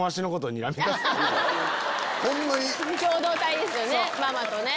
共同体ですよねママとね。